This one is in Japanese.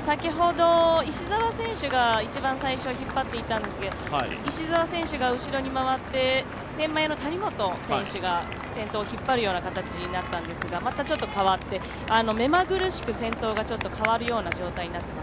先ほど石澤選手が一番最初引っ張っていたんですけど、石澤選手が後ろに回って手前の谷本選手が先頭を引っ張るような形になったんですがまたちょっと変わって、目まぐるしく先頭が変わるような状態になっています。